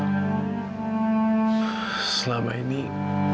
kamu selalu aja nangis